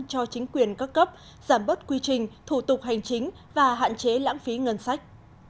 cho chính quyền các cấp giảm bớt quy trình thủ tục hành chính và hạn chế lãng phí ngân sách